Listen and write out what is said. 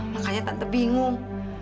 makanya tante bingung